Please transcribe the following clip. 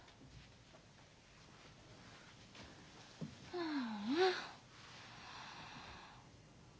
ああ。